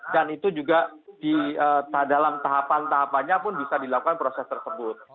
dan itu juga di dalam tahapan tahapannya pun bisa dilakukan proses tersebut